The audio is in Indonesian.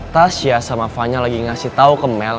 tasya sama vanya lagi ngasih tau ke mel